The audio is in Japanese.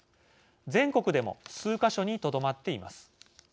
全国でも数か所にとどまっています。